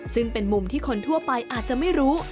ซึ่งเป็นมุมที่คนทั่วไปอาจจะไม่รู้